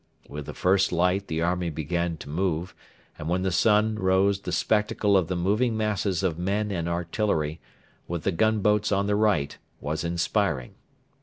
With the first light the army began to move, and when the sun rose the spectacle of the moving masses of men and artillery, with the gunboats on the right, was inspiring.